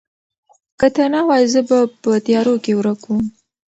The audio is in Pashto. که ته نه وای، زه به په تیارو کې ورک وم.